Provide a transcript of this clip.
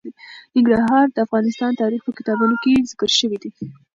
ننګرهار د افغان تاریخ په کتابونو کې ذکر شوی دي.